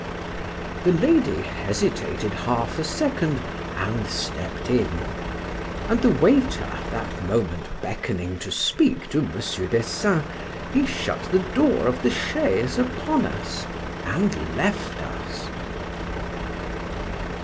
—The lady hesitated half a second, and stepped in; and the waiter that moment beckoning to speak to Mon. Dessein, he shut the door of the chaise upon us, and left us.